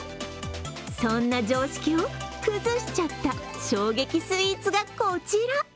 そんな常識を崩しちゃった衝撃スイーツがこちら。